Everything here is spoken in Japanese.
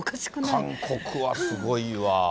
韓国はすごいわ。